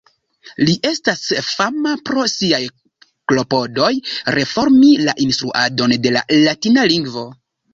Li estas fama pro siaj klopodoj reformi la instruadon de la latina lingvo.